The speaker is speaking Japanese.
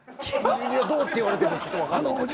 いや、どうって言われてもちょっと分かんない。